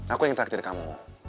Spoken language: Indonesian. aku yang traktir kamu